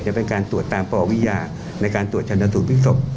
จะเป็นการตรวจตามปวิญญาในการตรวจชันสูตรพลิกศพ